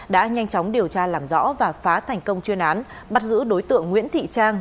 đã nhanh chóng điều tra làm rõ và phá thành công chuyên án bắt giữ đối tượng nguyễn thị trang